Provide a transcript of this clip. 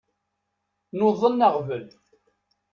Nuḍen aɣbel.